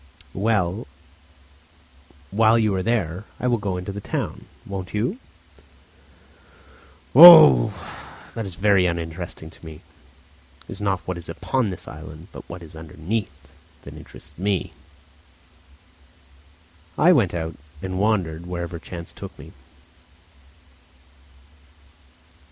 "Well, while you are there I will go into the town. Won't you?" "Oh, that is very uninteresting to me. It is not what is upon this island, but what is underneath, that interests me." I went out, and wandered wherever chance took me.